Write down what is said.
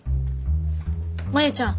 真夕ちゃん